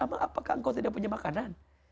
apakah engkau tidak punya makanan